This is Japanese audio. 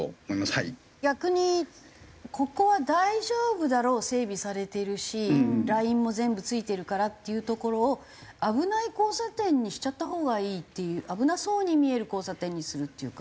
逆にここは大丈夫だろう整備されてるしラインも全部付いてるからっていう所を危ない交差点にしちゃったほうがいいっていう危なそうに見える交差点にするっていうか。